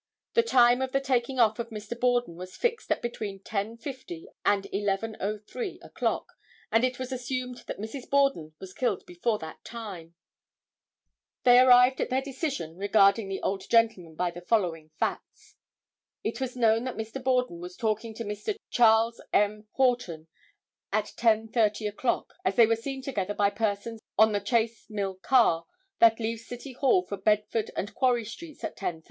The time of the taking off of Mr. Borden was fixed at between 10:50 and 11:03 o'clock, and it was assumed that Mrs. Borden was killed before that time. [Illustration: BRIDGET SULLIVAN.] They arrive at their decision regarding the old gentleman by the following facts: It was known that Mr. Borden was talking to Mr. Charles M. Horton at 10:30 o'clock, as they were seen together by persons on the Chace Mill car that leaves City Hall for Bedford and Quarry streets at 10:30.